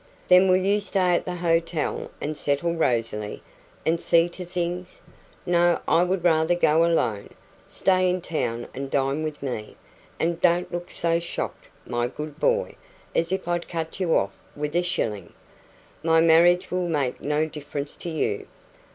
Then will you stay at the hotel and settle Rosalie, and see to things? No, I would rather go alone. Stay in town and dine with me and don't look so shocked, my good boy, as if I'd cut you off with a shilling. My marriage will make no difference to you."